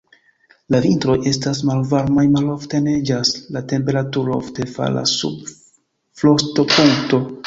La vintroj estas malvarmaj, malofte neĝas, la temperaturo ofte falas sub frostopunkto.